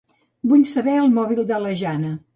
Vull saber el mòbil de la Jana.